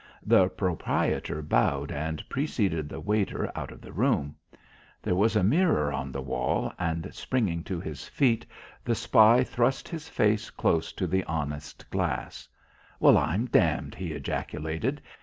The proprietor bowed and preceded the waiter out of the room. There was a mirror on the wall and, springing to his feet, the spy thrust his face close to the honest glass. "Well, I'm damned!" he ejaculated.